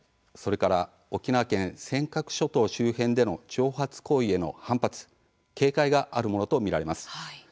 それから沖縄県尖閣諸島周辺での挑発行為への反発警戒があるものと見られます。